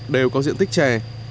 đều có diện tích chè